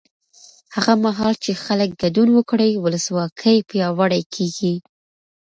هغه مهال چې خلک ګډون وکړي، ولسواکي پیاوړې کېږي.